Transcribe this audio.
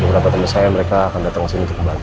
beberapa teman saya mereka akan datang ke sini untuk kembali